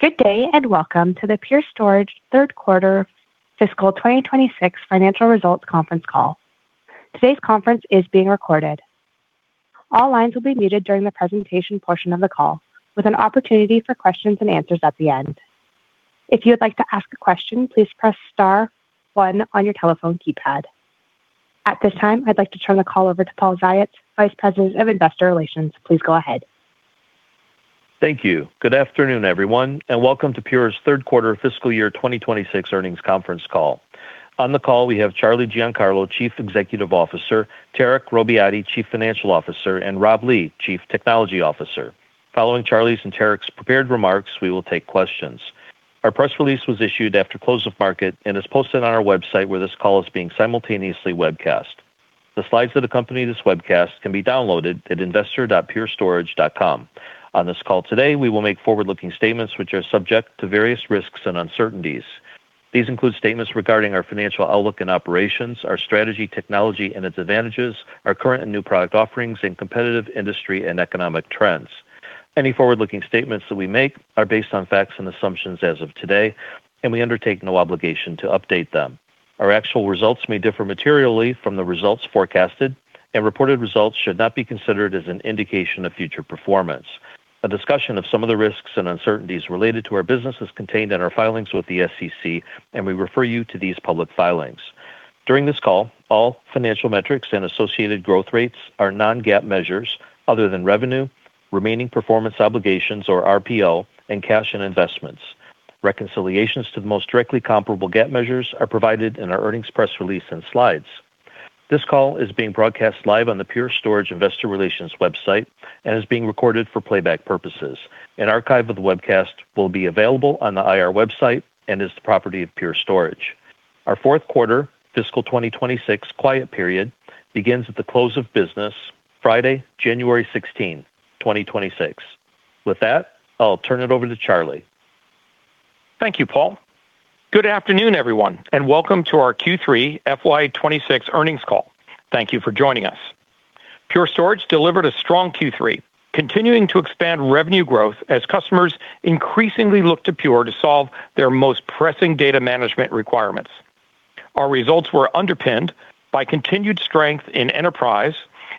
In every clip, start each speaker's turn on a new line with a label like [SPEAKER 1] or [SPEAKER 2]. [SPEAKER 1] Good day and welcome to the Pure Storage third quarter fiscal 2026 financial results conference call. Today's conference is being recorded. All lines will be muted during the presentation portion of the call, with an opportunity for questions and answers at the end. If you would like to ask a question, please press star one on your telephone keypad. At this time, I'd like to turn the call over to Paul Ziots, Vice President of Investor Relations. Please go ahead.
[SPEAKER 2] Thank you. Good afternoon, everyone, and welcome to Pure's third quarter fiscal year 2026 earnings conference call. On the call, we have Charlie Giancarlo, Chief Executive Officer; Tarek Robbiati, Chief Financial Officer; and Rob Lee, Chief Technology Officer. Following Charles' and Tarek's prepared remarks, we will take questions. Our press release was issued after close of market and is posted on our website, where this call is being simultaneously webcast. The slides that accompany this webcast can be downloaded at investor.purestorage.com. On this call today, we will make forward-looking statements, which are subject to various risks and uncertainties. These include statements regarding our financial outlook and operations, our strategy, technology, and its advantages, our current and new product offerings, and competitive industry and economic trends. Any forward-looking statements that we make are based on facts and assumptions as of today, and we undertake no obligation to update them. Our actual results may differ materially from the results forecasted, and reported results should not be considered as an indication of future performance. A discussion of some of the risks and uncertainties related to our business is contained in our filings with the SEC, and we refer you to these public filings. During this call, all financial metrics and associated growth rates are non-GAAP measures other than revenue, remaining performance obligations, or RPO, and cash and investments. Reconciliations to the most directly comparable GAAP measures are provided in our earnings press release and slides. This call is being broadcast live on the Pure Storage Investor Relations website and is being recorded for playback purposes. An archive of the webcast will be available on the IR website and is the property of Pure Storage. Our fourth quarter fiscal 2026 quiet period begins at the close of business, Friday, January 16th, 2026. With that, I'll turn it over to Charlie.
[SPEAKER 3] Thank you, Paul. Good afternoon, everyone, and welcome to our Q3 FY26 earnings call. Thank you for joining us. Pure Storage delivered a strong Q3, continuing to expand revenue growth as customers increasingly look to Pure to solve their most pressing data management requirements. Our results were underpinned by continued strength in enterprise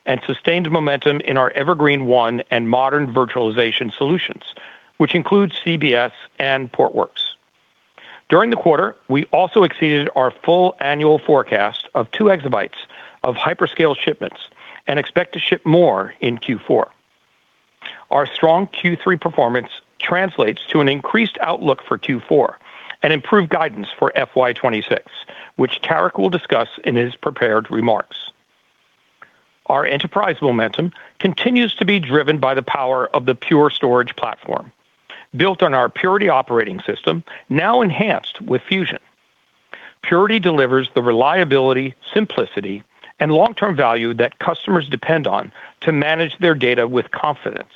[SPEAKER 3] and sustained momentum in our Evergreen//One and modern virtualization solutions, which include CBS and Portworx. During the quarter, we also exceeded our full annual forecast of two exabytes of hyperscale shipments and expect to ship more in Q4. Our strong Q3 performance translates to an increased outlook for Q4 and improved guidance for FY26, which Tarek will discuss in his prepared remarks. Our enterprise momentum continues to be driven by the power of the Pure Storage platform, built on our Purity operating system, now enhanced with Fusion. Purity delivers the reliability, simplicity, and long-term value that customers depend on to manage their data with confidence.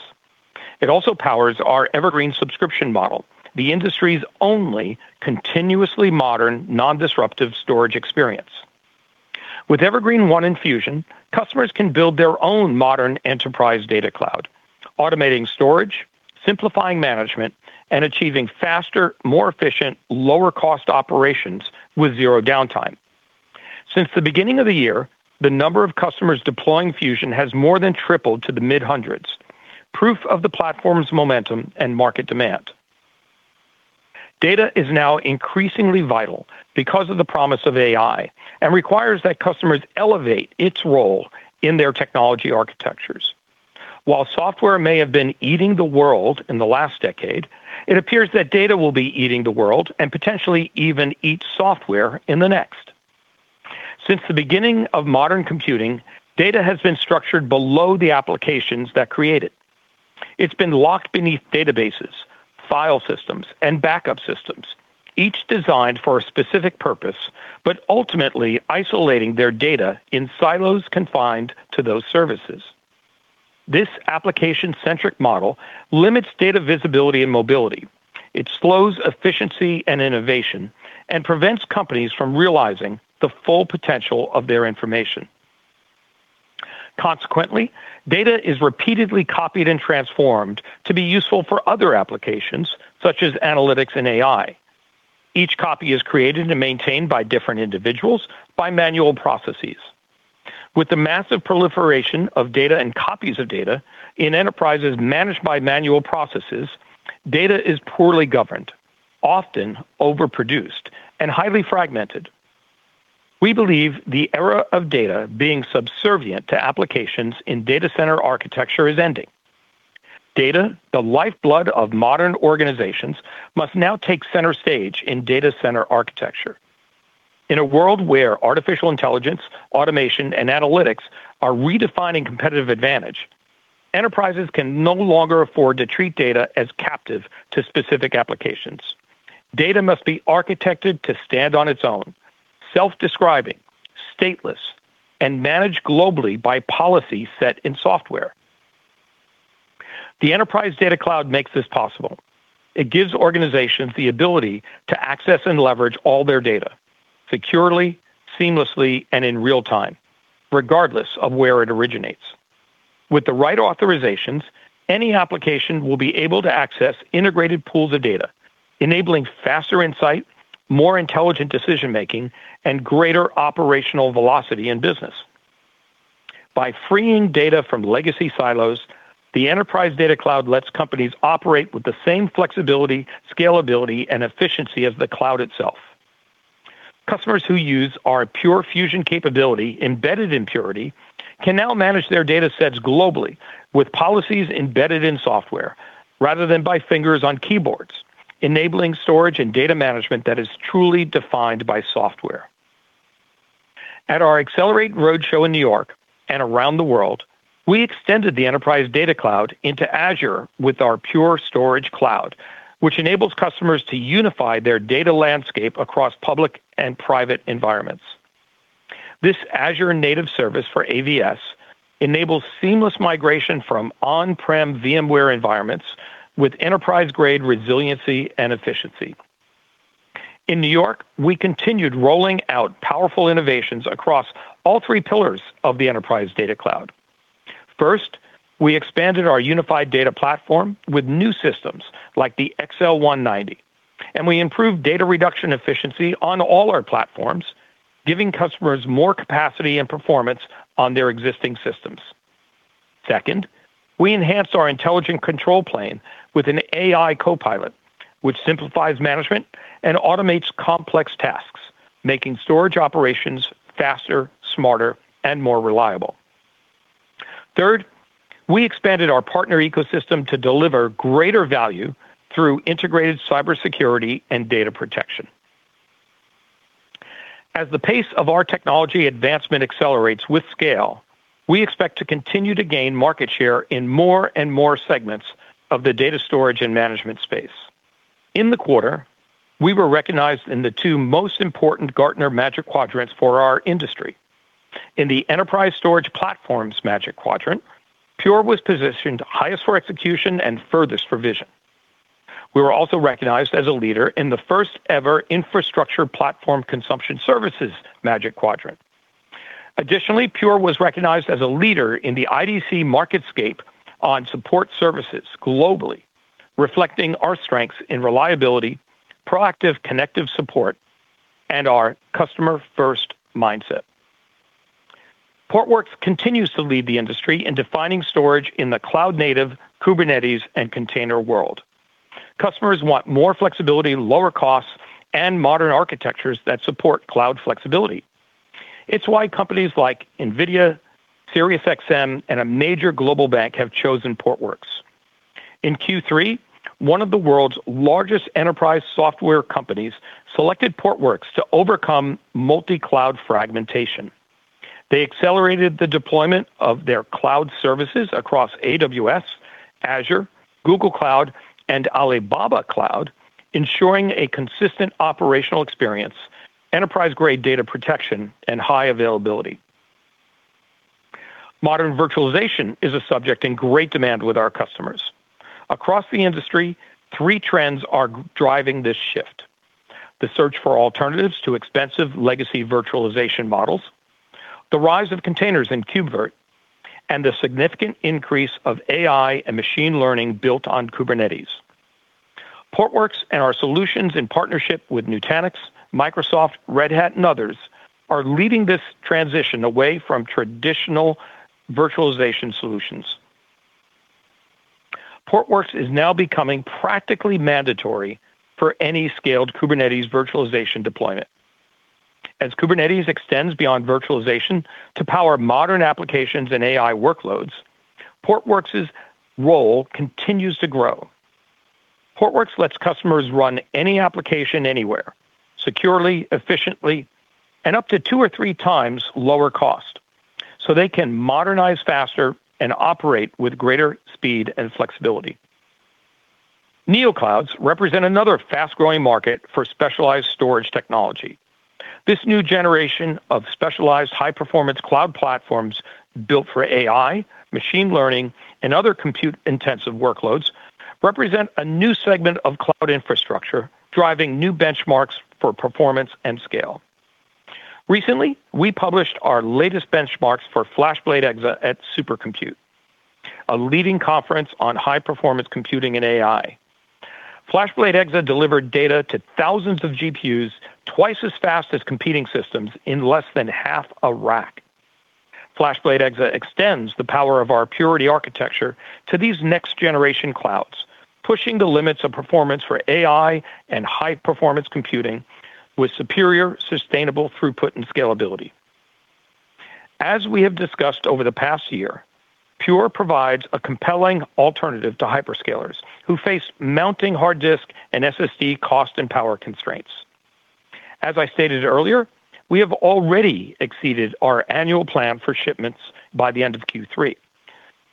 [SPEAKER 3] It also powers our Evergreen subscription model, the industry's only continuously modern, non-disruptive storage experience. With Evergreen//One and Fusion, customers can build their own modern enterprise data cloud, automating storage, simplifying management, and achieving faster, more efficient, lower-cost operations with zero downtime. Since the beginning of the year, the number of customers deploying Fusion has more than tripled to the mid-hundreds, proof of the platform's momentum and market demand. Data is now increasingly vital because of the promise of AI and requires that customers elevate its role in their technology architectures. While software may have been eating the world in the last decade, it appears that data will be eating the world and potentially even eat software in the next. Since the beginning of modern computing, data has been structured below the applications that create it. It's been locked beneath databases, file systems, and backup systems, each designed for a specific purpose, but ultimately isolating their data in silos confined to those services. This application-centric model limits data visibility and mobility. It slows efficiency and innovation and prevents companies from realizing the full potential of their information. Consequently, data is repeatedly copied and transformed to be useful for other applications, such as analytics and AI. Each copy is created and maintained by different individuals by manual processes. With the massive proliferation of data and copies of data in enterprises managed by manual processes, data is poorly governed, often overproduced, and highly fragmented. We believe the era of data being subservient to applications in data center architecture is ending. Data, the lifeblood of modern organizations, must now take center stage in data center architecture. In a world where artificial intelligence, automation, and analytics are redefining competitive advantage, enterprises can no longer afford to treat data as captive to specific applications. Data must be architected to stand on its own, self-describing, stateless, and managed globally by policy set in software. The Enterprise Data Cloud makes this possible. It gives organizations the ability to access and leverage all their data securely, seamlessly, and in real time, regardless of where it originates. With the right authorizations, any application will be able to access integrated pools of data, enabling faster insight, more intelligent decision-making, and greater operational velocity in business. By freeing data from legacy silos, the Enterprise Data Cloud lets companies operate with the same flexibility, scalability, and efficiency as the cloud itself. Customers who use our Pure Fusion capability embedded in Purity can now manage their data sets globally with policies embedded in software rather than by fingers on keyboards, enabling storage and data management that is truly defined by software. At our Accelerate Roadshow in New York and around the world, we extended the Enterprise Data Cloud into Azure with our Pure Storage Cloud, which enables customers to unify their data landscape across public and private environments. This Azure-native service for AVS enables seamless migration from on-prem VMware environments with enterprise-grade resiliency and efficiency. In New York, we continued rolling out powerful innovations across all three pillars of the Enterprise Data Cloud. First, we expanded our unified data platform with new systems like the XL190, and we improved data reduction efficiency on all our platforms, giving customers more capacity and performance on their existing systems. Second, we enhanced our intelligent control plane with an AI Copilot, which simplifies management and automates complex tasks, making storage operations faster, smarter, and more reliable. Third, we expanded our partner ecosystem to deliver greater value through integrated cybersecurity and data protection. As the pace of our technology advancement accelerates with scale, we expect to continue to gain market share in more and more segments of the data storage and management space. In the quarter, we were recognized in the two most important Gartner Magic Quadrants for our industry. In the enterprise storage platforms Magic Quadrant, Pure was positioned highest for execution and furthest for vision. We were also recognized as a leader in the first-ever infrastructure platform consumption services Magic Quadrant. Additionally, Pure was recognized as a leader in the IDC MarketScape on support services globally, reflecting our strengths in reliability, proactive connective support, and our customer-first mindset. Portworx continues to lead the industry in defining storage in the cloud-native Kubernetes and container world. Customers want more flexibility, lower costs, and modern architectures that support cloud flexibility. It's why companies like NVIDIA, SiriusXM, and a major global bank have chosen Portworx. In Q3, one of the world's largest enterprise software companies selected Portworx to overcome multi-cloud fragmentation. They accelerated the deployment of their cloud services across AWS, Azure, Google Cloud, and Alibaba Cloud, ensuring a consistent operational experience, enterprise-grade data protection, and high availability. Modern virtualization is a subject in great demand with our customers. Across the industry, three trends are driving this shift: the search for alternatives to expensive legacy virtualization models, the rise of containers and Kubernetes, and the significant increase of AI and machine learning built on Kubernetes. Portworx and our solutions in partnership with Nutanix, Microsoft, Red Hat, and others are leading this transition away from traditional virtualization solutions. Portworx is now becoming practically mandatory for any scaled Kubernetes virtualization deployment. As Kubernetes extends beyond virtualization to power modern applications and AI workloads, Portworx's role continues to grow. Portworx lets customers run any application anywhere securely, efficiently, and up to two or three times lower cost, so they can modernize faster and operate with greater speed and flexibility. NeoClouds represent another fast-growing market for specialized storage technology. This new generation of specialized high-performance cloud platforms built for AI, machine learning, and other compute-intensive workloads represent a new segment of cloud infrastructure driving new benchmarks for performance and scale. Recently, we published our latest benchmarks for FlashBlade Exa at Supercomputing, a leading conference on high-performance computing and AI. FlashBlade//EXA delivered data to thousands of GPUs twice as fast as competing systems in less than half a rack. FlashBlade//EXA extends the power of our Purity architecture to these next-generation clouds, pushing the limits of performance for AI and high-performance computing with superior sustainable throughput and scalability. As we have discussed over the past year, Pure provides a compelling alternative to hyperscalers who face mounting hard disk and SSD cost and power constraints. As I stated earlier, we have already exceeded our annual plan for shipments by the end of Q3.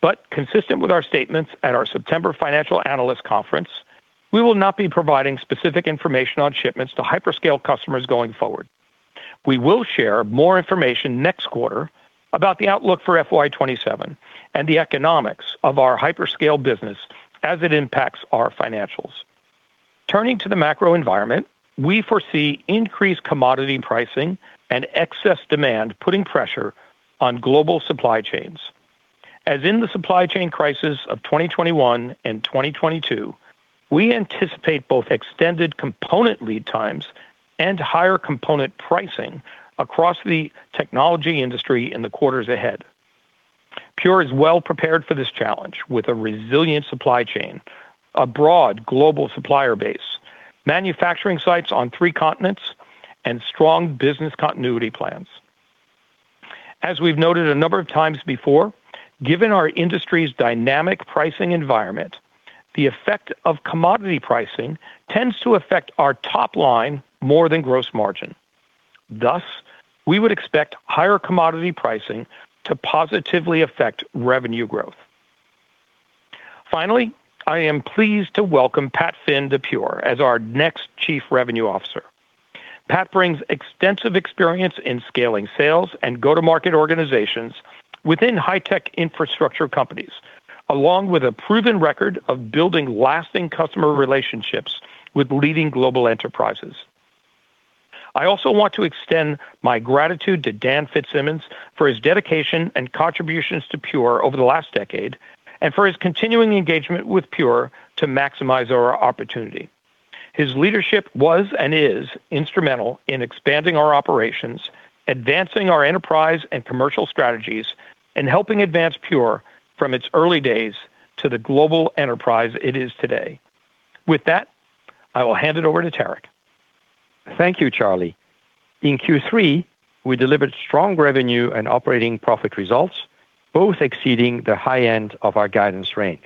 [SPEAKER 3] But consistent with our statements at our September financial analyst conference, we will not be providing specific information on shipments to hyperscale customers going forward. We will share more information next quarter about the outlook for FY2027 and the economics of our hyperscale business as it impacts our financials. Turning to the macro environment, we foresee increased commodity pricing and excess demand putting pressure on global supply chains. As in the supply chain crisis of 2021 and 2022, we anticipate both extended component lead times and higher component pricing across the technology industry in the quarters ahead. Pure Storage is well prepared for this challenge with a resilient supply chain, a broad global supplier base, manufacturing sites on three continents, and strong business continuity plans. As we've noted a number of times before, given our industry's dynamic pricing environment, the effect of commodity pricing tends to affect our top line more than gross margin. Thus, we would expect higher commodity pricing to positively affect revenue growth. Finally, I am pleased to welcome Pat Finn to Pure Storage as our next Chief Revenue Officer. Pat brings extensive experience in scaling sales and go-to-market organizations within high-tech infrastructure companies, along with a proven record of building lasting customer relationships with leading global enterprises. I also want to extend my gratitude to Dan Fitzsimmons for his dedication and contributions to Pure over the last decade and for his continuing engagement with Pure to maximize our opportunity. His leadership was and is instrumental in expanding our operations, advancing our enterprise and commercial strategies, and helping advance Pure from its early days to the global enterprise it is today. With that, I will hand it over to Tarek.
[SPEAKER 4] Thank you, Charlie. In Q3, we delivered strong revenue and operating profit results, both exceeding the high end of our guidance range.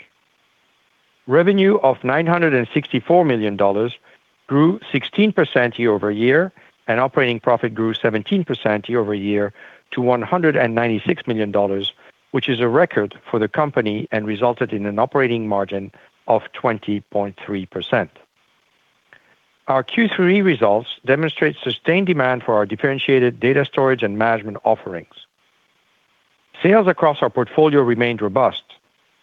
[SPEAKER 4] Revenue of $964 million grew 16% year over year, and operating profit grew 17% year over year to $196 million, which is a record for the company and resulted in an operating margin of 20.3%. Our Q3 results demonstrate sustained demand for our differentiated data storage and management offerings. Sales across our portfolio remained robust,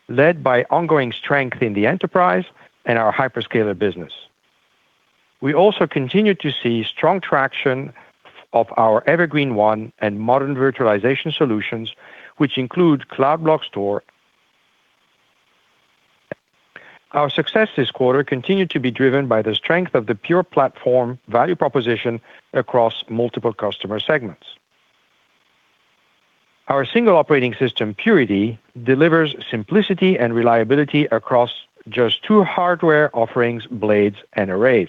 [SPEAKER 4] led by ongoing strength in the enterprise and our hyperscaler business. We also continue to see strong traction of our Evergreen//One and modern virtualization solutions, which include Cloud Block Store. Our success this quarter continued to be driven by the strength of the Pure platform value proposition across multiple customer segments. Our single operating system, Purity, delivers simplicity and reliability across just two hardware offerings, blades, and arrays.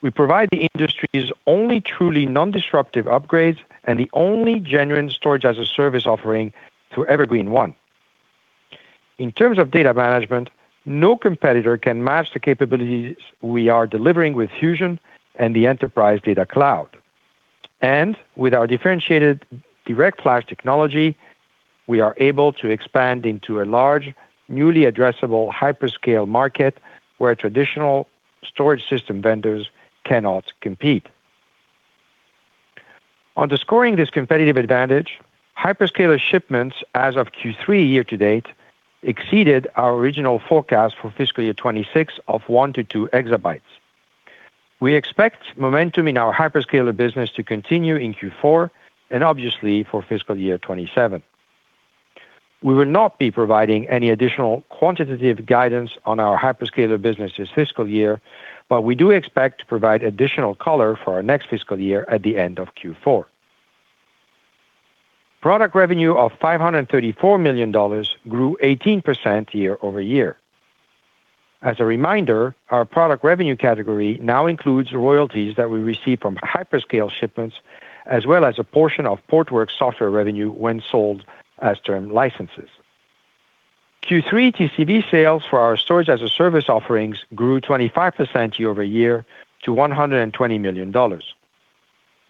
[SPEAKER 4] We provide the industry's only truly non-disruptive upgrades and the only genuine storage as a service offering through Evergreen//One. In terms of data management, no competitor can match the capabilities we are delivering with Pure Fusion and the Enterprise Data Cloud, and with our differentiated DirectFlash technology, we are able to expand into a large, newly addressable hyperscale market where traditional storage system vendors cannot compete. Underscoring this competitive advantage, hyperscaler shipments as of Q3 year to date exceeded our original forecast for fiscal year 2026 of 1 to 2 exabytes. We expect momentum in our hyperscaler business to continue in Q4 and obviously for fiscal year 2027. We will not be providing any additional quantitative guidance on our hyperscaler business this fiscal year, but we do expect to provide additional color for our next fiscal year at the end of Q4. Product revenue of $534 million grew 18% year over year. As a reminder, our product revenue category now includes royalties that we receive from hyperscale shipments, as well as a portion of Portworx software revenue when sold as term licenses. Q3 TCV sales for our storage as a service offerings grew 25% year over year to $120 million.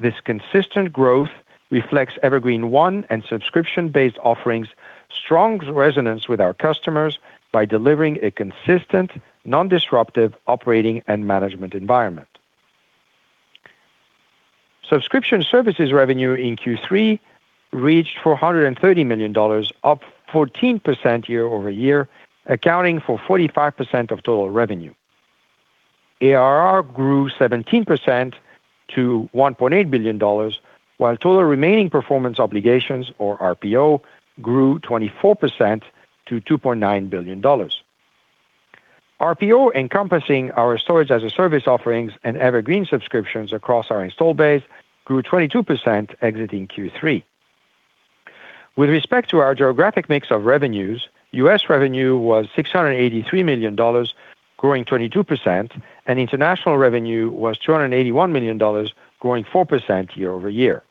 [SPEAKER 4] This consistent growth reflects Evergreen//One and subscription-based offerings' strong resonance with our customers by delivering a consistent, non-disruptive operating and management environment. Subscription services revenue in Q3 reached $430 million, up 14% year over year, accounting for 45% of total revenue. ARR grew 17% to $1.8 billion, while total remaining performance obligations, or RPO, grew 24% to $2.9 billion. RPO encompassing our storage as a service offerings and Evergreen subscriptions across our install base grew 22% exiting Q3. With respect to our geographic mix of revenues, U.S. revenue was $683 million, growing 22%, and international revenue was $281 million, growing 4% year over year.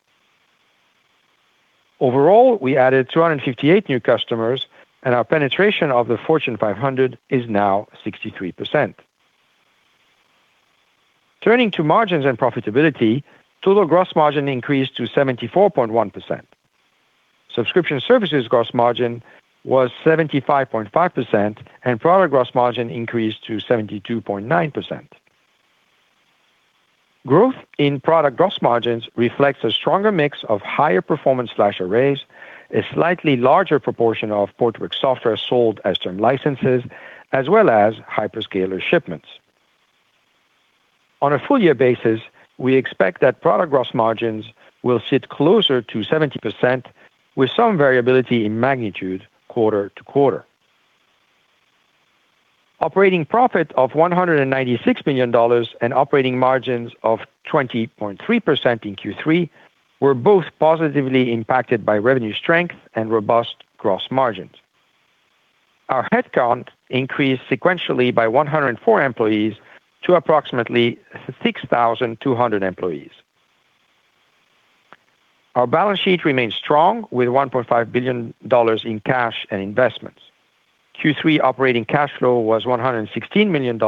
[SPEAKER 4] Overall, we added 258 new customers, and our penetration of the Fortune 500 is now 63%. Turning to margins and profitability, total gross margin increased to 74.1%. Subscription services gross margin was 75.5%, and product gross margin increased to 72.9%. Growth in product gross margins reflects a stronger mix of higher performance flash arrays, a slightly larger proportion of Portworx software sold as term licenses, as well as hyperscaler shipments. On a full-year basis, we expect that product gross margins will sit closer to 70%, with some variability in magnitude quarter to quarter. Operating profit of $196 million and operating margins of 20.3% in Q3 were both positively impacted by revenue strength and robust gross margins. Our headcount increased sequentially by 104 employees to approximately 6,200 employees. Our balance sheet remained strong with $1.5 billion in cash and investments. Q3 operating cash flow was $116 million,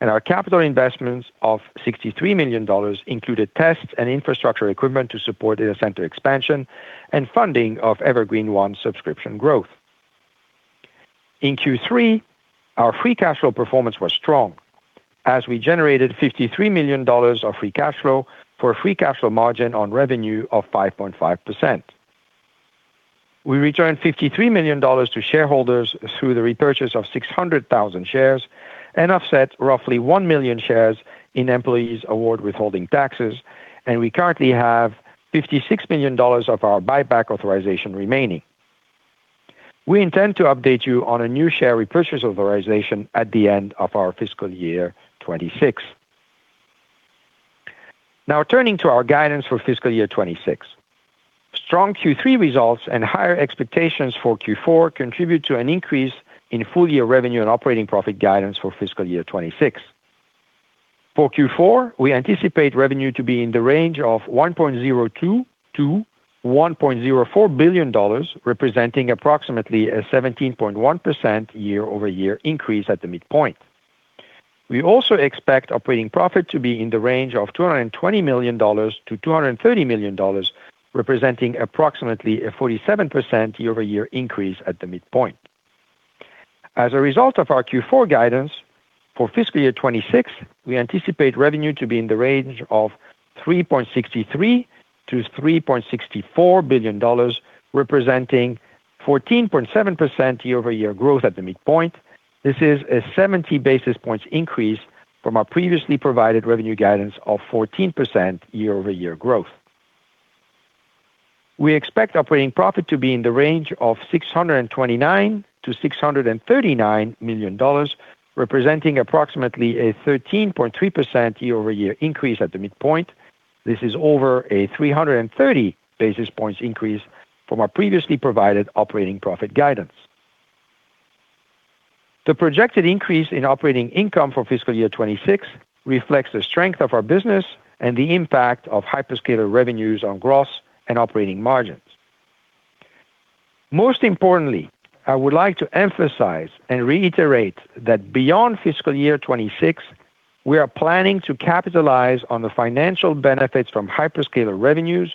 [SPEAKER 4] and our capital investments of $63 million included tests and infrastructure equipment to support data center expansion and funding of Evergreen//One subscription growth. In Q3, our free cash flow performance was strong, as we generated $53 million of free cash flow for a free cash flow margin on revenue of 5.5%. We returned $53 million to shareholders through the repurchase of 600,000 shares and offset roughly one million shares in employees' award withholding taxes, and we currently have $56 million of our buyback authorization remaining. We intend to update you on a new share repurchase authorization at the end of our fiscal year 2026. Now, turning to our guidance for fiscal year 2026, strong Q3 results and higher expectations for Q4 contribute to an increase in full-year revenue and operating profit guidance for fiscal year 2026. For Q4, we anticipate revenue to be in the range of $1.02-$1.04 billion, representing approximately a 17.1% year-over-year increase at the midpoint. We also expect operating profit to be in the range of $220-$230 million, representing approximately a 47% year-over-year increase at the midpoint. As a result of our Q4 guidance for fiscal year 2026, we anticipate revenue to be in the range of $3.63-$3.64 billion, representing 14.7% year-over-year growth at the midpoint. This is a 70 basis points increase from our previously provided revenue guidance of 14% year-over-year growth. We expect operating profit to be in the range of $629-$639 million, representing approximately a 13.3% year-over-year increase at the midpoint. This is over a 330 basis points increase from our previously provided operating profit guidance. The projected increase in operating income for fiscal year 2026 reflects the strength of our business and the impact of hyperscaler revenues on gross and operating margins. Most importantly, I would like to emphasize and reiterate that beyond fiscal year 2026, we are planning to capitalize on the financial benefits from hyperscaler revenues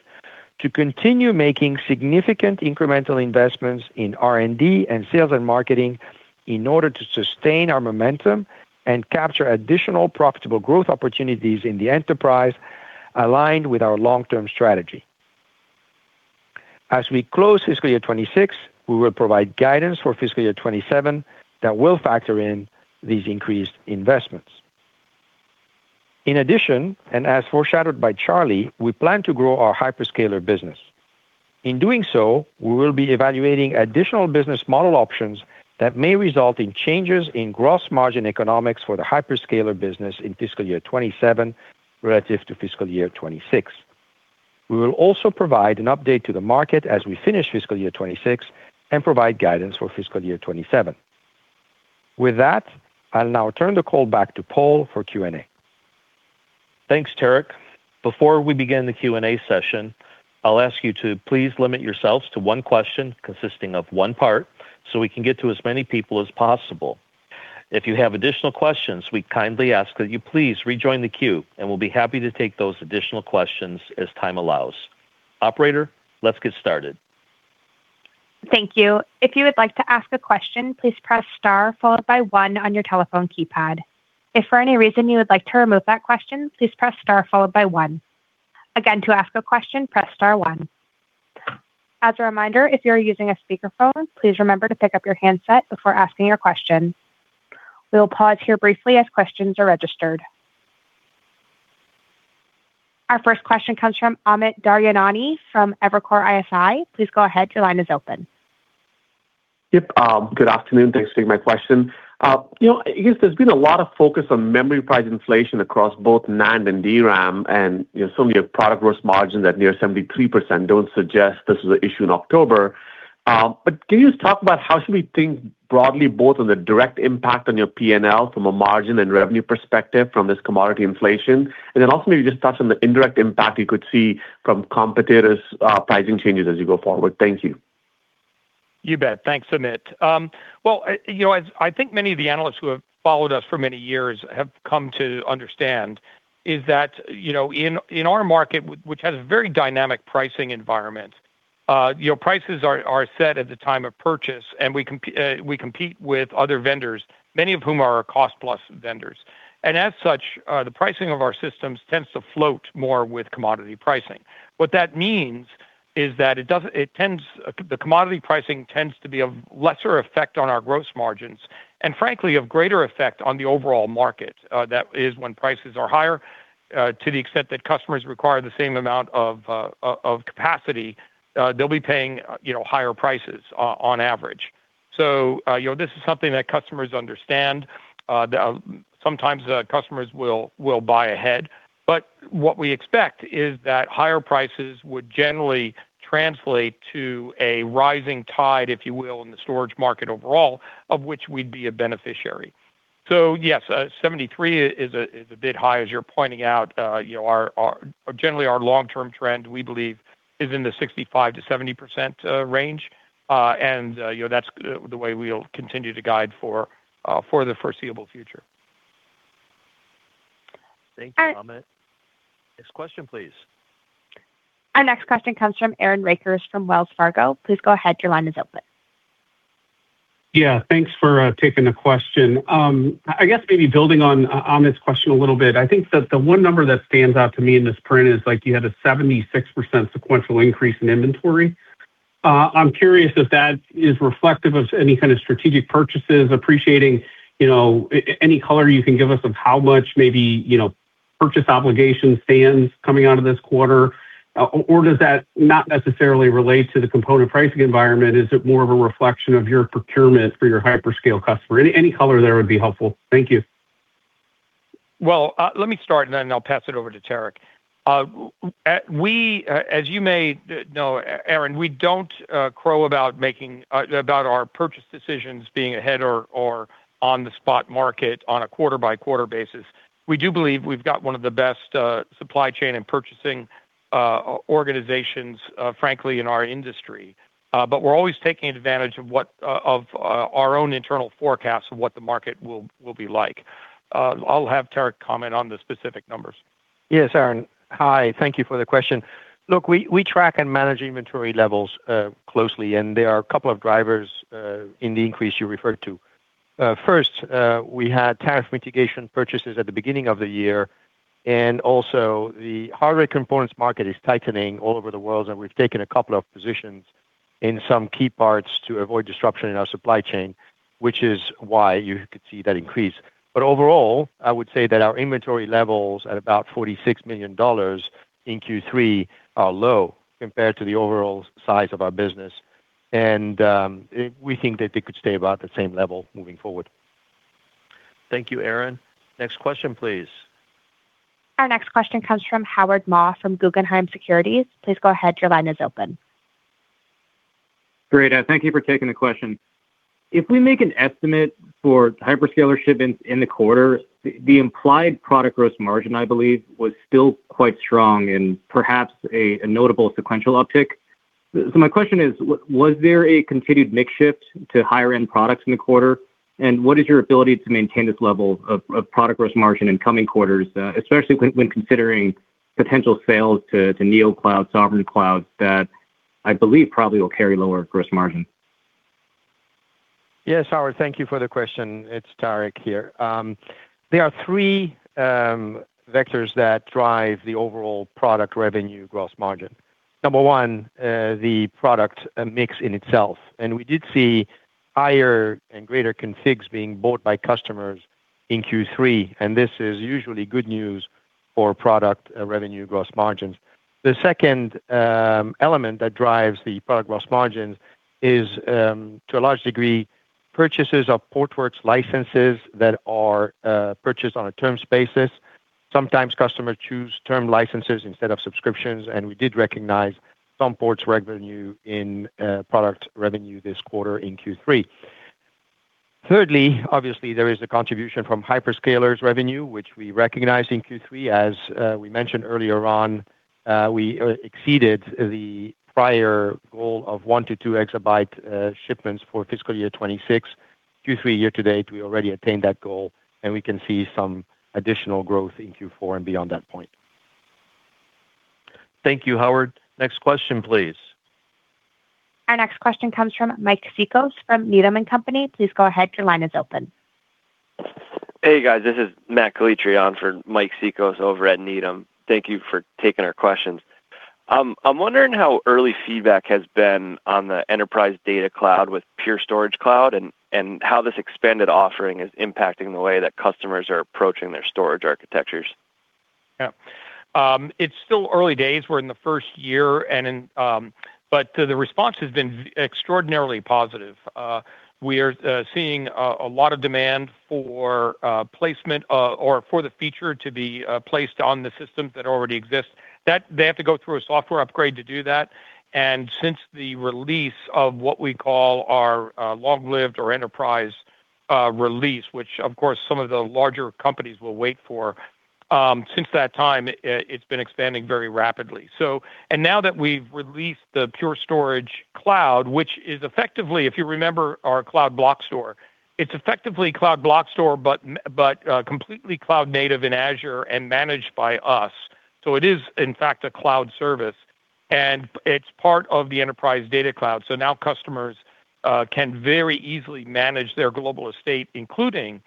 [SPEAKER 4] to continue making significant incremental investments in R&D and sales and marketing in order to sustain our momentum and capture additional profitable growth opportunities in the enterprise aligned with our long-term strategy. As we close fiscal year 2026, we will provide guidance for fiscal year 2027 that will factor in these increased investments. In addition, and as foreshadowed by Charlie, we plan to grow our hyperscaler business. In doing so, we will be evaluating additional business model options that may result in changes in gross margin economics for the hyperscaler business in fiscal year 2027 relative to fiscal year 2026. We will also provide an update to the market as we finish fiscal year 2026 and provide guidance for fiscal year 2027. With that, I'll now turn the call back to Paul for Q&A.
[SPEAKER 2] Thanks, Tarek. Before we begin the Q&A session, I'll ask you to please limit yourselves to one question consisting of one part so we can get to as many people as possible. If you have additional questions, we kindly ask that you please rejoin the queue, and we'll be happy to take those additional questions as time allows. Operator, let's get started. Thank you.
[SPEAKER 1] If you would like to ask a question, please press Star followed by 1 on your telephone keypad. If for any reason you would like to remove that question, please press Star followed by 1. Again, to ask a question, press Star 1. As a reminder, if you're using a speakerphone, please remember to pick up your handset before asking your question. We'll pause here briefly as questions are registered. Our first question comes from Amit Daryanani from Evercore ISI. Please go ahead. Your line is open.
[SPEAKER 5] Yep. Good afternoon. Thanks for taking my question. I guess there's been a lot of focus on memory price inflation across both NAND and DRAM, and some of your product gross margins at near 73% don't suggest this was an issue in October. Can you just talk about how should we think broadly both on the direct impact on your P&L from a margin and revenue perspective from this commodity inflation, and then also maybe just touch on the indirect impact you could see from competitors' pricing changes as you go forward? Thank you.
[SPEAKER 4] You bet. Thanks, Amit. Well, I think many of the analysts who have followed us for many years have come to understand is that in our market, which has a very dynamic pricing environment, prices are set at the time of purchase, and we compete with other vendors, many of whom are cost-plus vendors. And as such, the pricing of our systems tends to float more with commodity pricing. What that means is that the commodity pricing tends to be of lesser effect on our gross margins and, frankly, of greater effect on the overall market. That is, when prices are higher, to the extent that customers require the same amount of capacity, they'll be paying higher prices on average. So this is something that customers understand. Sometimes customers will buy ahead. But what we expect is that higher prices would generally translate to a rising tide, if you will, in the storage market overall, of which we'd be a beneficiary. So yes, 73 is a bit high, as you're pointing out. Generally, our long-term trend, we believe, is in the 65%-70% range, and that's the way we'll continue to guide for the foreseeable future.
[SPEAKER 2] Thank you, Amit. Next question, please.
[SPEAKER 1] Our next question comes from Aaron Rakers from Wells Fargo. Please go ahead. Your line is open.
[SPEAKER 6] Yeah. Thanks for taking the question. I guess maybe building on Amit's question a little bit. I think that the one number that stands out to me in this print is you had a 76% sequential increase in inventory. I'm curious if that is reflective of any kind of strategic purchases. Appreciate any color you can give us on how much maybe purchase obligations stand coming out of this quarter, or does that not necessarily relate to the component pricing environment? Is it more of a reflection of your procurement for your hyperscale customer? Any color there would be helpful. Thank you.
[SPEAKER 3] Well, let me start, and then I'll pass it over to Tarek. As you may know, Aaron, we don't crow about our purchase decisions being ahead or on the spot market on a quarter-by-quarter basis. We do believe we've got one of the best supply chain and purchasing organizations, frankly, in our industry, but we're always taking advantage of our own internal forecasts of what the market will be like. I'll have Tarek comment on the specific numbers.
[SPEAKER 4] Yes, Aaron. Hi. Thank you for the question. Look, we track and manage inventory levels closely, and there are a couple of drivers in the increase you referred to. First, we had tariff mitigation purchases at the beginning of the year, and also the hardware components market is tightening all over the world, and we've taken a couple of positions in some key parts to avoid disruption in our supply chain, which is why you could see that increase. But overall, I would say that our inventory levels at about $46 million in Q3 are low compared to the overall size of our business, and we think that they could stay about the same level moving forward.
[SPEAKER 2] Thank you, Aaron. Next question, please.
[SPEAKER 1] Our next question comes from Howard Ma from Guggenheim Securities. Please go ahead. Your line is open.
[SPEAKER 7] Great. Thank you for taking the question. If we make an estimate for hyperscaler shipments in the quarter, the implied product gross margin, I believe, was still quite strong and perhaps a notable sequential uptick. So my question is, was there a continued mix shift to higher-end products in the quarter, and what is your ability to maintain this level of product gross margin in coming quarters, especially when considering potential sales to NeoCloud, Sovereign Clouds that I believe probably will carry lower gross margin?
[SPEAKER 4] Yes, Howard. Thank you for the question. It's Tarek here. There are three vectors that drive the overall product revenue gross margin. Number one, the product mix in itself. And we did see higher and greater configs being bought by customers in Q3, and this is usually good news for product revenue gross margins. The second element that drives the product gross margins is, to a large degree, purchases of Portworx licenses that are purchased on a terms basis. Sometimes customers choose term licenses instead of subscriptions, and we did recognize some Portworx revenue in product revenue this quarter in Q3. Thirdly, obviously, there is a contribution from hyperscalers' revenue, which we recognize in Q3. As we mentioned earlier on, we exceeded the prior goal of one to two exabyte shipments for fiscal year 2026. Q3 year-to-date, we already attained that goal, and we can see some additional growth in Q4 and beyond that point.
[SPEAKER 2] Thank you, Howard. Next question, please.
[SPEAKER 1] Our next question comes from Mike Cikos from Needham & Company. Please go ahead. Your line is open.
[SPEAKER 8] Hey, guys. This is Matt Klypka for Mike Cikos over at Needham. Thank you for taking our questions. I'm wondering how early feedback has been on the Enterprise Data Cloud with Pure Storage Cloud and how this expanded offering is impacting the way that customers are approaching their storage architectures.
[SPEAKER 3] Yeah. It's still early days. We're in the first year, but the response has been extraordinarily positive. We are seeing a lot of demand for placement or for the feature to be placed on the systems that already exist. They have to go through a software upgrade to do that. And since the release of what we call our long-lived or enterprise release, which, of course, some of the larger companies will wait for, since that time, it's been expanding very rapidly. And now that we've released the Pure Storage Cloud, which is effectively, if you remember our Cloud Block Store, it's effectively Cloud Block Store but completely cloud-native in Azure and managed by us. So it is, in fact, a cloud service, and it's part of the Enterprise Data Cloud. So now customers can very easily manage their global estate, including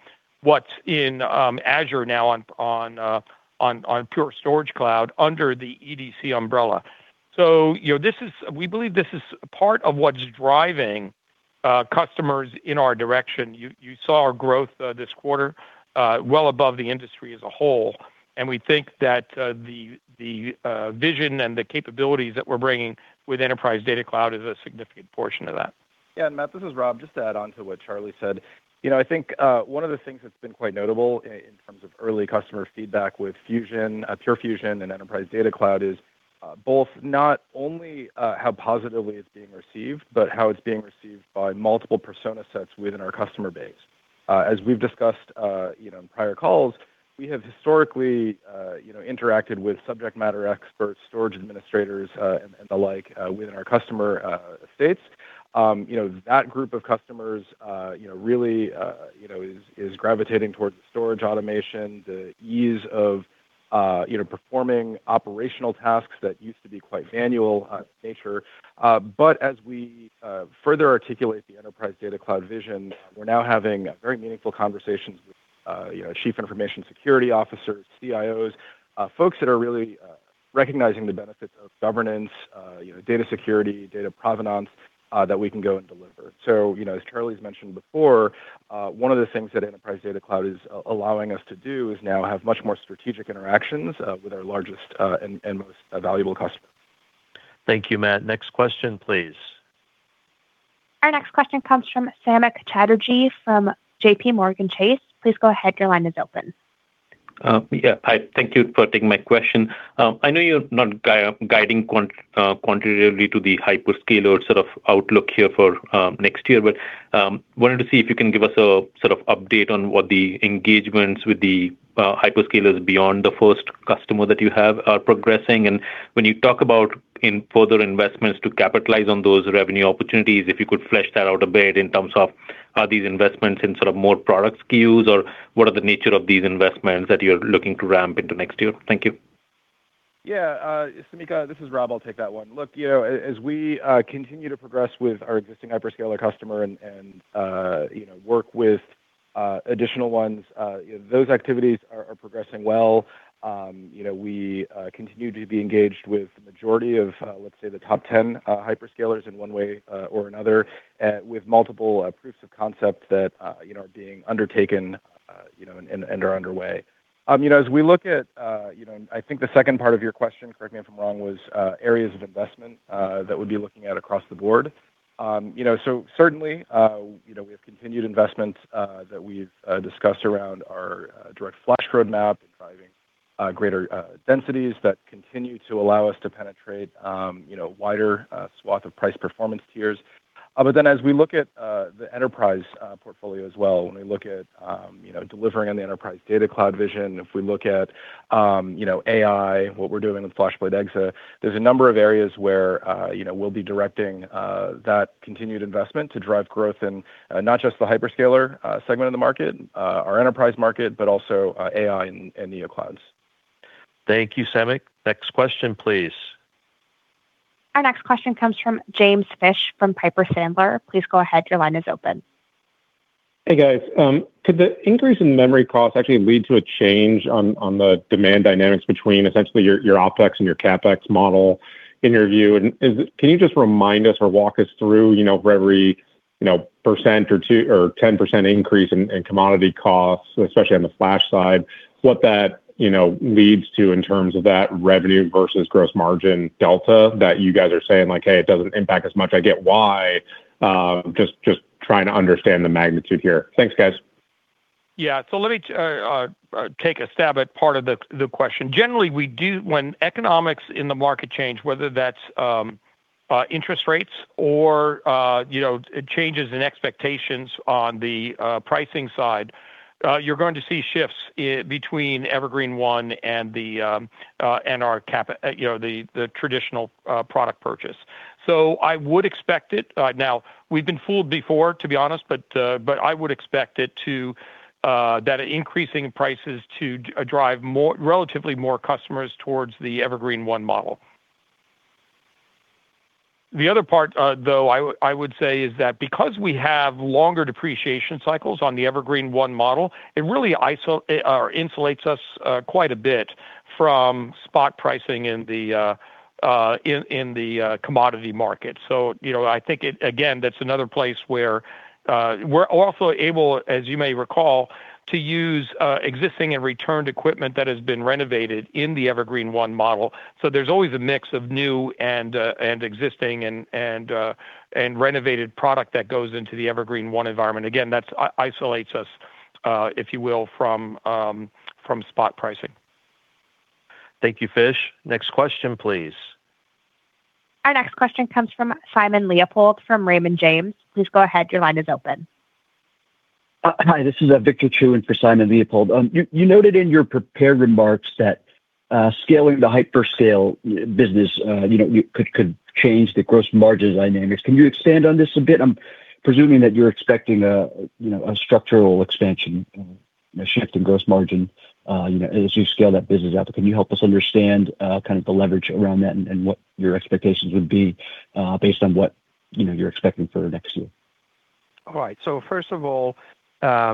[SPEAKER 3] what's in Azure now on Pure Storage Cloud under the EDC umbrella. So we believe this is part of what's driving customers in our direction. You saw our growth this quarter well above the industry as a whole, and we think that the vision and the capabilities that we're bringing with Enterprise Data Cloud is a significant portion of that.
[SPEAKER 9] Yeah. And Matt, this is Rob. Just to add on to what Charlie said, I think one of the things that's been quite notable in terms of early customer feedback with Pure Fusion and enterprise data cloud is both not only how positively it's being received, but how it's being received by multiple persona sets within our customer base. As we've discussed in prior calls, we have historically interacted with subject matter experts, storage administrators, and the like within our customer estates. That group of customers really is gravitating towards storage automation, the ease of performing operational tasks that used to be quite manual in nature. But as we further articulate the enterprise data cloud vision, we're now having very meaningful conversations with chief information security officers, CIOs, folks that are really recognizing the benefits of governance, data security, data provenance that we can go and deliver. So as Charlie's mentioned before, one of the things that Enterprise Data Cloud is allowing us to do is now have much more strategic interactions with our largest and most valuable customers.
[SPEAKER 2] Thank you, Matt. Next question, please.
[SPEAKER 1] Our next question comes from Samik Chatterjee from JPMorganChase. Please go ahead. Your line is open.
[SPEAKER 10] Yeah. Hi. Thank you for taking my question. I know you're not guiding quantitatively to the hyperscaler sort of outlook here for next year, but wanted to see if you can give us a sort of update on what the engagements with the hyperscalers beyond the first customer that you have are progressing. And when you talk about further investments to capitalize on those revenue opportunities, if you could flesh that out a bit in terms of these investments in sort of more product SKUs, or what are the nature of these investments that you're looking to ramp into next year? Thank you.
[SPEAKER 9] Yeah. Samik, this is Rob. I'll take that one. Look, as we continue to progress with our existing hyperscaler customer and work with additional ones, those activities are progressing well. We continue to be engaged with the majority of, let's say, the top 10 hyperscalers in one way or another, with multiple proofs of concept that are being undertaken and are underway. As we look at, I think the second part of your question, correct me if I'm wrong, was areas of investment that we'd be looking at across the board. So certainly, we have continued investments that we've discussed around our direct flash roadmap and driving greater densities that continue to allow us to penetrate wider swath of price performance tiers. But then as we look at the enterprise portfolio as well, when we look at delivering on the enterprise data cloud vision, if we look at AI, what we're doing with FlashBlade//EXA, there's a number of areas where we'll be directing that continued investment to drive growth in not just the hyperscaler segment of the market, our enterprise market, but also AI and NeoClouds.
[SPEAKER 2] Thank you, Samik. Next question, please.
[SPEAKER 1] Our next question comes from James Fish from Piper Sandler. Please go ahead. Your line is open.
[SPEAKER 11] Hey, guys. Could the increase in memory costs actually lead to a change on the demand dynamics between essentially your OpEx and your CapEx model in your view? And can you just remind us or walk us through for every % or 10% increase in commodity costs, especially on the flash side, what that leads to in terms of that revenue versus gross margin delta that you guys are saying like, "Hey, it doesn't impact as much. I get why," just trying to understand the magnitude here. Thanks, guys.
[SPEAKER 3] Yeah. So let me take a stab at part of the question. Generally, when economics in the market change, whether that's interest rates or changes in expectations on the pricing side, you're going to see shifts between Evergreen//One and the traditional product purchase. So I would expect it. Now, we've been fooled before, to be honest, but I would expect that increasing prices to drive relatively more customers towards the Evergreen//One model. The other part, though, I would say, is that because we have longer depreciation cycles on the Evergreen//One model, it really insulates us quite a bit from spot pricing in the commodity market. So I think, again, that's another place where we're also able, as you may recall, to use existing and returned equipment that has been renovated in the Evergreen//One model. So there's always a mix of new and existing and renovated product that goes into the Evergreen//One environment. Again, that isolates us, if you will, from spot pricing.
[SPEAKER 2] Thank you, Fish. Next question, please.
[SPEAKER 1] Our next question comes from Simon Leopold from Raymond James. Please go ahead. Your line is open.
[SPEAKER 12] Hi. This is Victor Chiu for Simon Leopold. You noted in your prepared remarks that scaling the hyperscale business could change the gross margin dynamics. Can you expand on this a bit? I'm presuming that you're expecting a structural expansion, a shift in gross margin as you scale that business out. But can you help us understand kind of the leverage around that and what your expectations would be based on what you're expecting for the next year?
[SPEAKER 4] All right. So first of all, I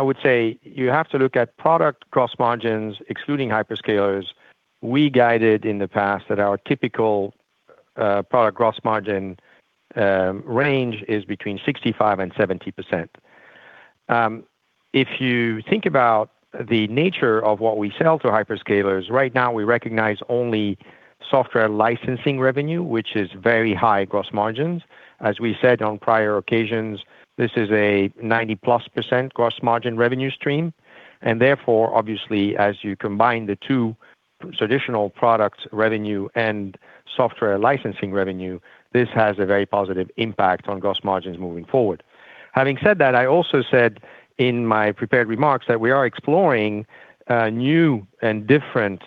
[SPEAKER 4] would say you have to look at product gross margins excluding hyperscalers. We guided in the past that our typical product gross margin range is between 65% and 70%. If you think about the nature of what we sell to hyperscalers, right now we recognize only software licensing revenue, which is very high gross margins. As we said on prior occasions, this is a 90+% gross margin revenue stream. And therefore, obviously, as you combine the two traditional product revenue and software licensing revenue, this has a very positive impact on gross margins moving forward. Having said that, I also said in my prepared remarks that we are exploring new and different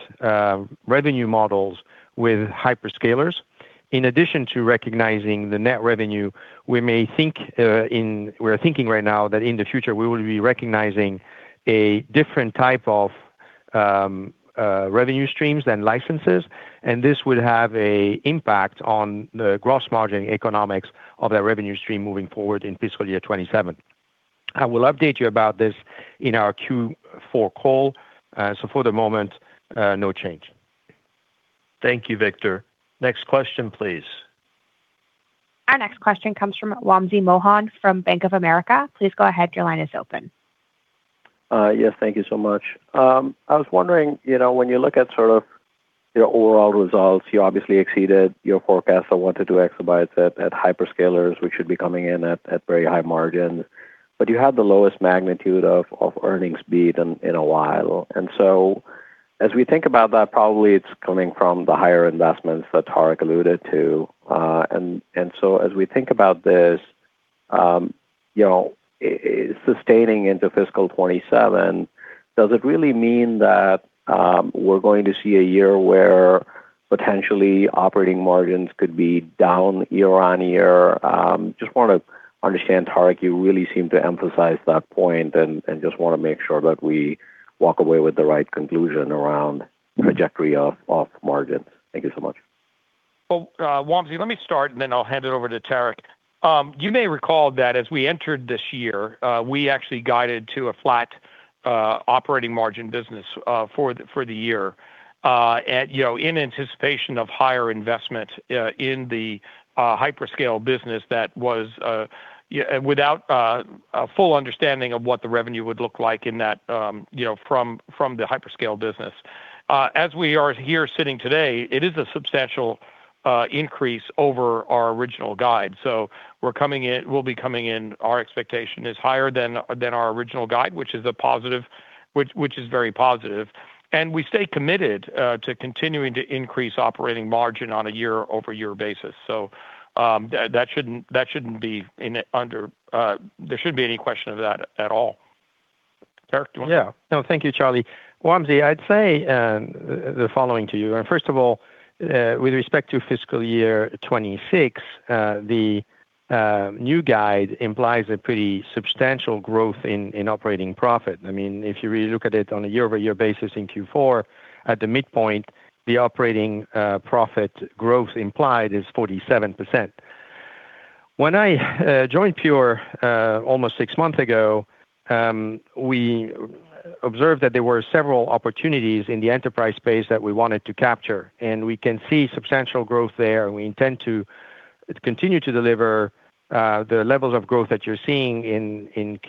[SPEAKER 4] revenue models with hyperscalers. In addition to recognizing the net revenue, we're thinking right now that in the future we will be recognizing a different type of revenue streams than licenses, and this would have an impact on the gross margin economics of that revenue stream moving forward in fiscal year 2027. I will update you about this in our Q4 call. So for the moment, no change.
[SPEAKER 2] Thank you, Victor. Next question, please.
[SPEAKER 1] Our next question comes from Wamsi Mohan from Bank of America. Please go ahead. Your line is open.
[SPEAKER 13] Yes. Thank you so much. I was wondering, when you look at sort of your overall results, you obviously exceeded your forecast of one to two exabytes at hyperscalers, which should be coming in at very high margins, but you had the lowest magnitude of earnings beat in a while. And so as we think about that, probably it's coming from the higher investments that Tarek alluded to. And so as we think about this, sustaining into fiscal 2027, does it really mean that we're going to see a year where potentially operating margins could be down year-on-year? Just want to understand, Tarek, you really seem to emphasize that point and just want to make sure that we walk away with the right conclusion around the trajectory of margins.
[SPEAKER 3] Thank you so much. Wamsi, let me start, and then I'll hand it over to Tarek. You may recall that as we entered this year, we actually guided to a flat operating margin business for the year in anticipation of higher investment in the hyperscale business that was without a full understanding of what the revenue would look like from the hyperscale business. As we are here sitting today, it is a substantial increase over our original guide. So we'll be coming in, our expectation is higher than our original guide, which is very positive. And we stay committed to continuing to increase operating margin on a year-over-year basis. So that shouldn't be underestimated. There shouldn't be any question of that at all. Tarek, do you want to?
[SPEAKER 4] Yeah. No, thank you, Charlie. Wamsi, I'd say the following to you. First of all, with respect to fiscal year 2026, the new guide implies a pretty substantial growth in operating profit. I mean, if you really look at it on a year-over-year basis in Q4, at the midpoint, the operating profit growth implied is 47%. When I joined Pure almost six months ago, we observed that there were several opportunities in the enterprise space that we wanted to capture, and we can see substantial growth there. We intend to continue to deliver the levels of growth that you're seeing in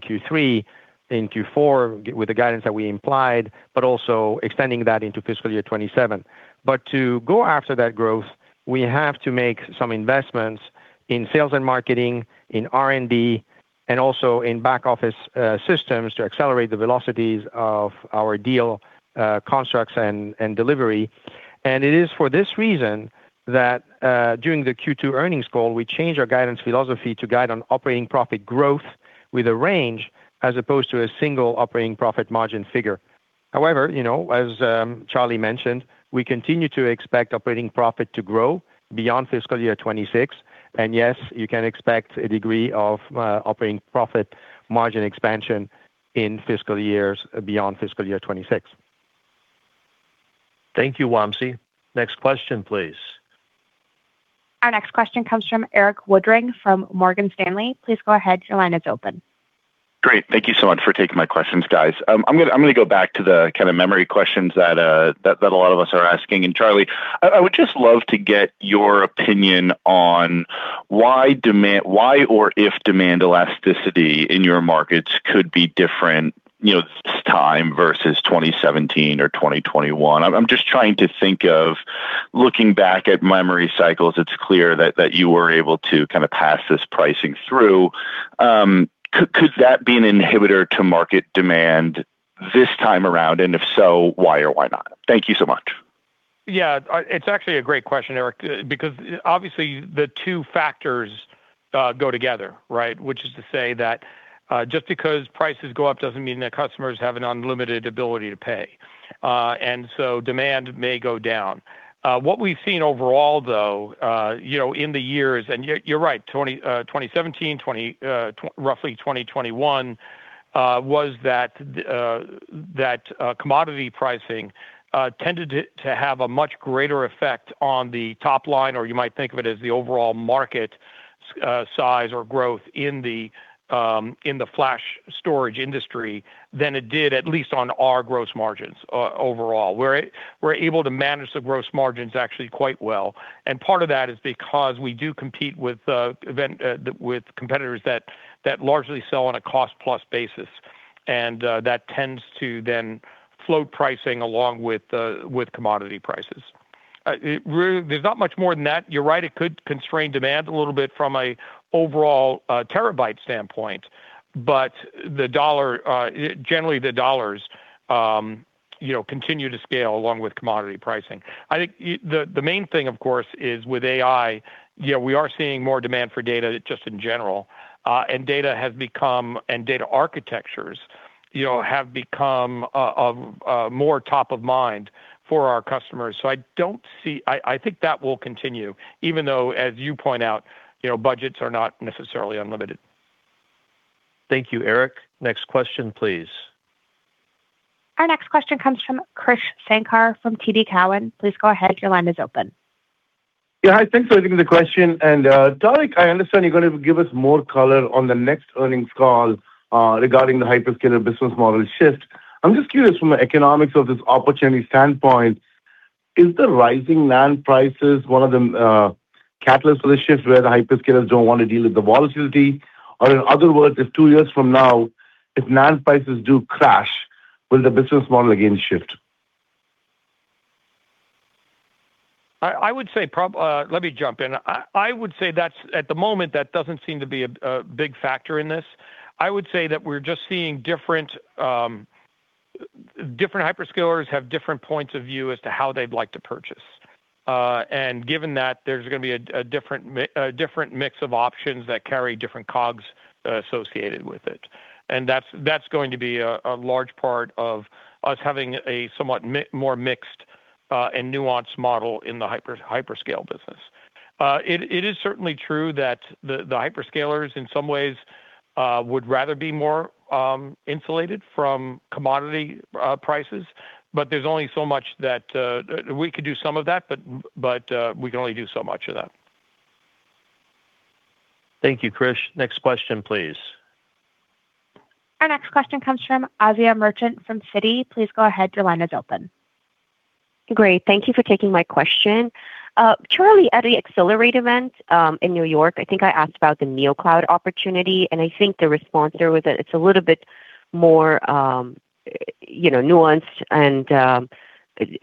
[SPEAKER 4] Q3, in Q4, with the guidance that we implied, but also extending that into fiscal year 2027, but to go after that growth, we have to make some investments in sales and marketing, in R&D, and also in back-office systems to accelerate the velocities of our deal constructs and delivery. And it is for this reason that during the Q2 earnings call, we changed our guidance philosophy to guide on operating profit growth with a range as opposed to a single operating profit margin figure. However, as Charlie mentioned, we continue to expect operating profit to grow beyond fiscal year 2026. And yes, you can expect a degree of operating profit margin expansion in fiscal years beyond fiscal year 2026.
[SPEAKER 2] Thank you, Wamsi. Next question, please.
[SPEAKER 1] Our next question comes from Erik Woodring from Morgan Stanley. Please go ahead. Your line is open.
[SPEAKER 14] Great. Thank you so much for taking my questions, guys. I'm going to go back to the kind of memory questions that a lot of us are asking. And Charlie, I would just love to get your opinion on why or if demand elasticity in your markets could be different this time versus 2017 or 2021. I'm just trying to think of looking back at memory cycles. It's clear that you were able to kind of pass this pricing through. Could that be an inhibitor to market demand this time around? And if so, why or why not? Thank you so much.
[SPEAKER 3] Yeah. It's actually a great question, Erik, because obviously the two factors go together, right? Which is to say that just because prices go up doesn't mean that customers have an unlimited ability to pay. And so demand may go down. What we've seen overall, though, in the years, and you're right, 2017, roughly 2021, was that commodity pricing tended to have a much greater effect on the top line, or you might think of it as the overall market size or growth in the flash storage industry than it did, at least on our gross margins overall. We're able to manage the gross margins actually quite well. And part of that is because we do compete with competitors that largely sell on a cost-plus basis. And that tends to then float pricing along with commodity prices. There's not much more than that. You're right. It could constrain demand a little bit from an overall terabyte standpoint. But generally, the dollars continue to scale along with commodity pricing. I think the main thing, of course, is with AI, we are seeing more demand for data just in general. And data has become, and data architectures have become more top of mind for our customers. So I think that will continue, even though, as you point out, budgets are not necessarily unlimited.
[SPEAKER 2] Thank you, Eric. Next question, please.
[SPEAKER 1] Our next question comes from Krish Sankar from TD Cowen. Please go ahead. Your line is open.
[SPEAKER 15] Yeah. Hi. Thanks for taking the question. And Tarek, I understand you're going to give us more color on the next earnings call regarding the hyperscaler business model shift. I'm just curious from an economics of this opportunity standpoint, is the rising NAND prices one of the catalysts for the shift where the hyperscalers don't want to deal with the volatility? Or in other words, if two years from now, if NAND prices do crash, will the business model again shift?
[SPEAKER 3] I would say, let me jump in. I would say that at the moment, that doesn't seem to be a big factor in this. I would say that we're just seeing different hyperscalers have different points of view as to how they'd like to purchase.
[SPEAKER 4] And given that, there's going to be a different mix of options that carry different cogs associated with it. And that's going to be a large part of us having a somewhat more mixed and nuanced model in the hyperscale business. It is certainly true that the hyperscalers in some ways would rather be more insulated from commodity prices, but there's only so much that we could do some of that, but we can only do so much of that.
[SPEAKER 2] Thank you, Krish. Next question, please. Our next question comes from Asiya Merchant from Citi. Please go ahead. Your line is open.
[SPEAKER 16] Great. Thank you for taking my question. Charlie, at the Accelerate event in New York, I think I asked about the NeoCloud opportunity. And I think the response there was that it's a little bit more nuanced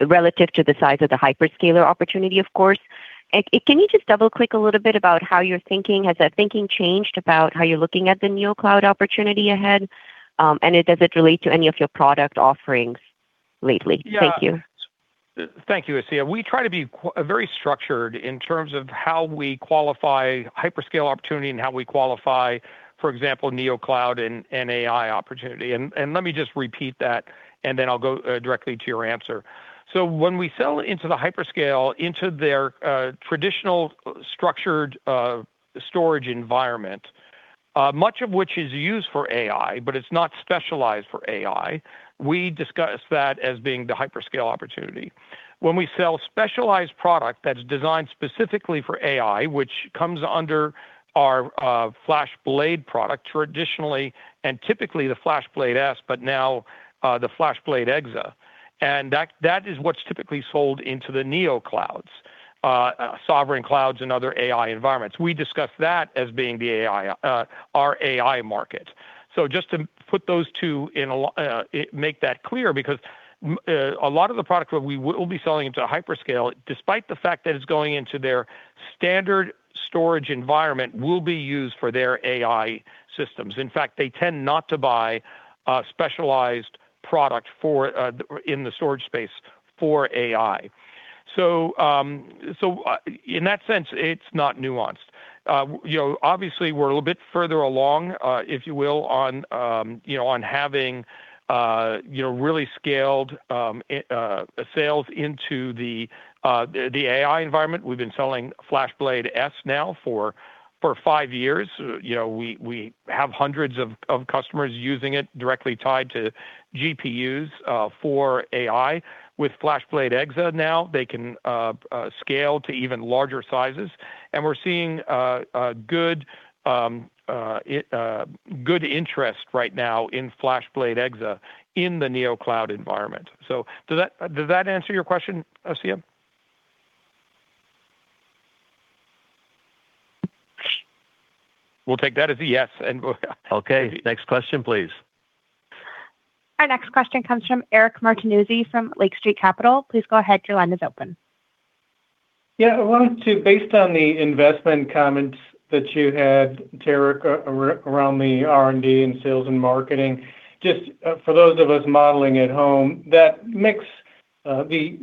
[SPEAKER 16] relative to the size of the hyperscaler opportunity, of course. Can you just double-click a little bit about how you're thinking? Has that thinking changed about how you're looking at the NeoCloud opportunity ahead? And does it relate to any of your product offerings lately?
[SPEAKER 3] Thank you. Yeah. Thank you, Asiya. We try to be very structured in terms of how we qualify hyperscale opportunity and how we qualify, for example, NeoCloud and AI opportunity. And let me just repeat that, and then I'll go directly to your answer. So when we sell into the hyperscale, into their traditional structured storage environment, much of which is used for AI, but it's not specialized for AI, we discuss that as being the hyperscale opportunity. When we sell specialized product that's designed specifically for AI, which comes under our FlashBlade product traditionally, and typically the FlashBlade//S, but now the FlashBlade//EXA. And that is what's typically sold into the NeoClouds, Sovereign Clouds, and other AI environments. We discuss that as being our AI market. So just to put those two, make that clear, because a lot of the product that we will be selling into hyperscale, despite the fact that it's going into their standard storage environment, will be used for their AI systems. In fact, they tend not to buy specialized product in the storage space for AI. So in that sense, it's not nuanced. Obviously, we're a little bit further along, if you will, on having really scaled sales into the AI environment. We've been selling FlashBlade//S now for five years. We have hundreds of customers using it directly tied to GPUs for AI. With FlashBlade//EXA now, they can scale to even larger sizes. And we're seeing good interest right now in FlashBlade//EXA in the NeoCloud environment. So does that answer your question, Asiya? We'll take that as a yes. Okay.
[SPEAKER 2] Next question, please.
[SPEAKER 1] Our next question comes from Eric Martinuzzi from Lake Street Capital Markets. Please go ahead. Your line is open.
[SPEAKER 17] Yeah. I wanted to, based on the investment comments that you had, Tarek, around the R&D and sales and marketing, just for those of us modeling at home, that mix the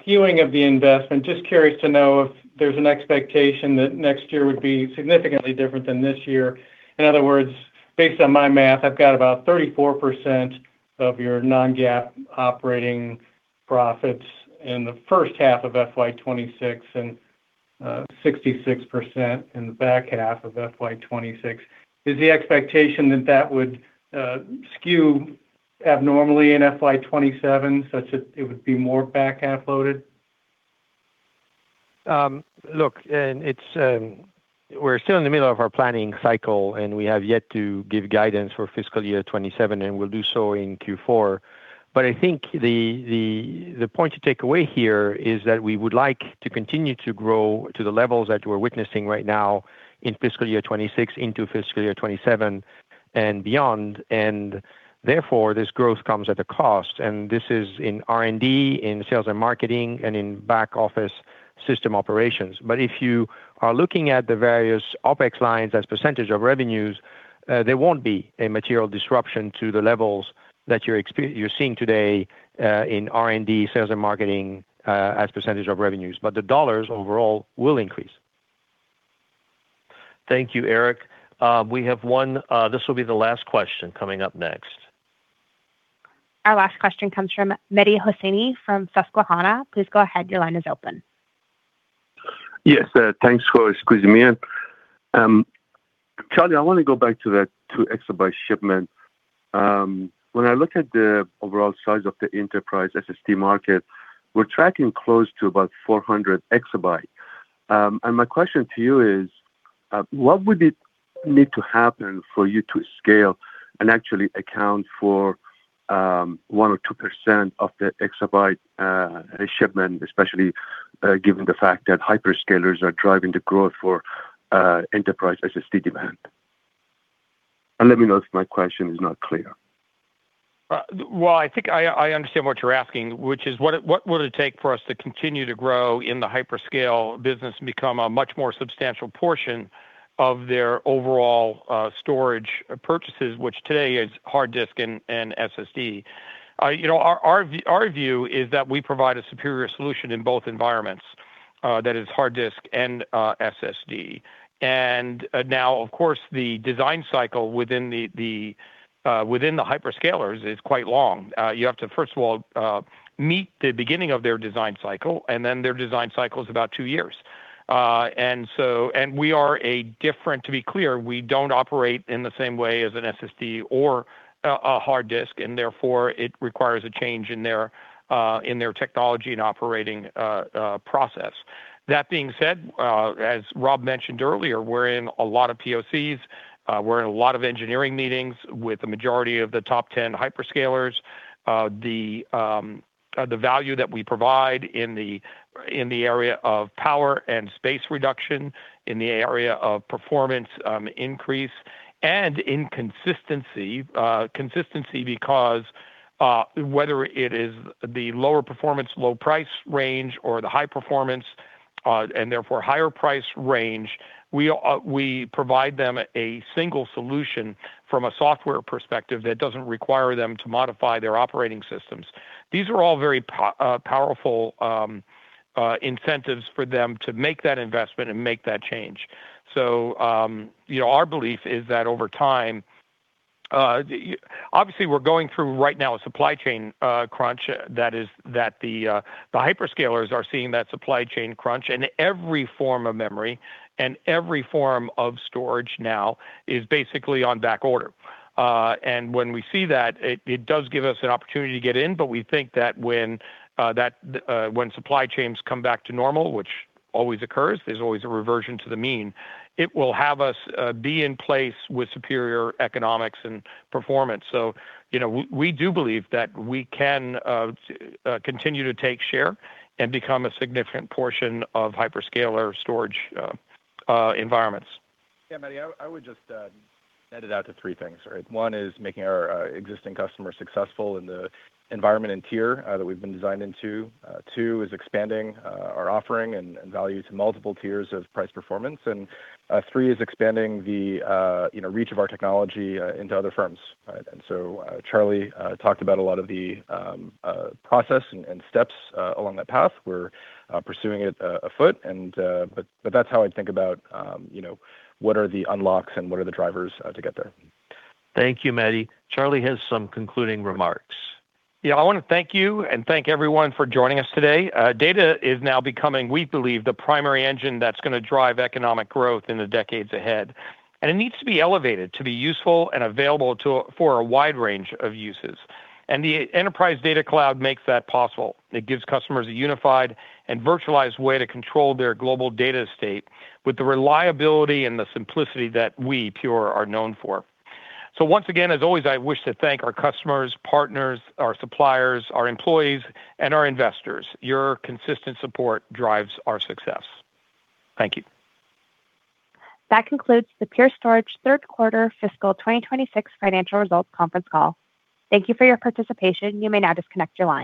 [SPEAKER 17] skewing of the investment, just curious to know if there's an expectation that next year would be significantly different than this year. In other words, based on my math, I've got about 34% of your non-GAAP operating profits in the first half of FY2026 and 66% in the back half of FY2026. Is the expectation that that would skew abnormally in FY2027 such that it would be more back half loaded?
[SPEAKER 4] Look, we're still in the middle of our planning cycle, and we have yet to give guidance for fiscal year 2027, and we'll do so in Q4. But I think the point to take away here is that we would like to continue to grow to the levels that we're witnessing right now in fiscal year 2026 into fiscal year 2027 and beyond. And therefore, this growth comes at a cost. And this is in R&D, in sales and marketing, and in back-office system operations. But if you are looking at the various OPEX lines as percentage of revenues, there won't be a material disruption to the levels that you're seeing today in R&D, sales and marketing as percentage of revenues. But the dollars overall will increase.
[SPEAKER 2] Thank you, Eric. We have one, this will be the last question coming up next.
[SPEAKER 1] Our last question comes from Mehdi Hosseini from Susquehanna. Please go ahead. Your line is open.
[SPEAKER 18] Yes. Thanks for squeezing me in. Charlie, I want to go back to that two exabyte shipment. When I look at the overall size of the enterprise SSD market, we're tracking close to about 400 exabyte. And my question to you is, what would it need to happen for you to scale and actually account for 1% or 2% of the exabyte shipment, especially given the fact that hyperscalers are driving the growth for enterprise SSD demand? And let me know if my question is not clear.
[SPEAKER 3] Well, I think I understand what you're asking, which is, what will it take for us to continue to grow in the hyperscale business and become a much more substantial portion of their overall storage purchases, which today is hard disk and SSD? Our view is that we provide a superior solution in both environments that is hard disk and SSD. And now, of course, the design cycle within the hyperscalers is quite long. You have to, first of all, meet the beginning of their design cycle, and then their design cycle is about two years. And we are a different, to be clear, we don't operate in the same way as an SSD or a hard disk, and therefore, it requires a change in their technology and operating process. That being said, as Rob mentioned earlier, we're in a lot of POCs. We're in a lot of engineering meetings with the majority of the top 10 hyperscalers. The value that we provide in the area of power and space reduction, in the area of performance increase, and in consistency, consistency because whether it is the lower performance, low price range, or the high performance, and therefore higher price range, we provide them a single solution from a software perspective that doesn't require them to modify their operating systems. These are all very powerful incentives for them to make that investment and make that change. So our belief is that over time, obviously, we're going through right now a supply chain crunch that the hyperscalers are seeing that supply chain crunch. And every form of memory and every form of storage now is basically on back order. And when we see that, it does give us an opportunity to get in, but we think that when supply chains come back to normal, which always occurs, there's always a reversion to the mean. It will have us be in place with superior economics and performance. So we do believe that we can continue to take share and become a significant portion of hyperscaler storage environments.
[SPEAKER 4] Yeah, Mehdi, I would just edit out to three things, right? One is making our existing customer successful in the environment and tier that we've been designed into. Two is expanding our offering and value to multiple tiers of price performance. And three is expanding the reach of our technology into other firms. And so Charlie talked about a lot of the process and steps along that path. We're pursuing it afoot. But that's how I think about what are the unlocks and what are the drivers to get there.
[SPEAKER 2] Thank you, Mehdi. Charlie has some concluding remarks.
[SPEAKER 3] Yeah. I want to thank you and thank everyone for joining us today. Data is now becoming, we believe, the primary engine that's going to drive economic growth in the decades ahead. And it needs to be elevated to be useful and available for a wide range of uses. And the Enterprise Data Cloud makes that possible. It gives customers a unified and virtualized way to control their global data state with the reliability and the simplicity that we, Pure, are known for. So once again, as always, I wish to thank our customers, partners, our suppliers, our employees, and our investors. Your consistent support drives our success. Thank you.
[SPEAKER 1] That concludes the Pure Storage Third Quarter Fiscal 2026 Financial Results Conference Call. Thank you for your participation. You may now disconnect your line.